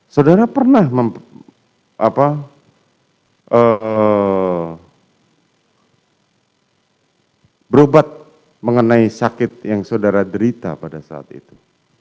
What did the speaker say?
saudara pernah berobat mengenai sakit yang saudara derita pada saat itu